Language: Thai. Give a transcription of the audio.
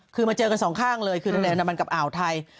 คือมาเจอกันสองข้างเลยคือทะเลอันดามันกับอ่าวไทย